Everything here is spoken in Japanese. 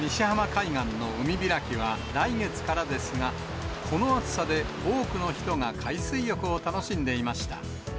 海岸の海開きは来月からですが、この暑さで多くの人が海水浴を楽しんでいました。